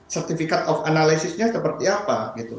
sertifikat of analysis nya seperti apa